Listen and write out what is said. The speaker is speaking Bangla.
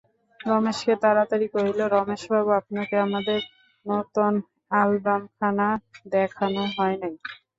রমেশকে তাড়াতাড়ি কহিল, রমেশবাবু, আপনাকে আমাদের নূতন অ্যালবমখানা দেখানো হয় নাই।